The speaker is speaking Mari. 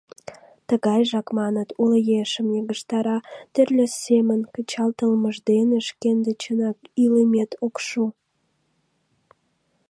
Тыгайжак, маныт, уло ешым йыгыжтара, тӱрлӧ семын кычалтылмыж дене шкендычынат илымет ок шу.